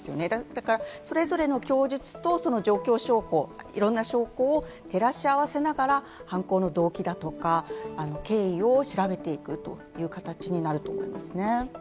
だからそれぞれの供述と状況証拠、いろんな証拠を照らし合わせながら犯行の動機だとか、経緯を調べていく形になると思いますね。